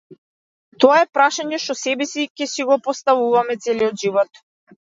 Тоа е прашање што себеси ќе си го поставуваме целиот живот.